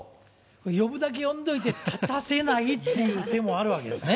呼ぶだけ呼んでおいて、立たせないっていう手もあるわけですね。